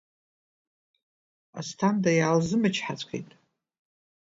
Асҭанда иаалзымчҳаҵәҟьеит.